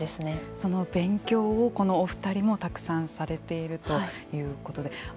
その勉強をこのお２人もたくさんされているということで。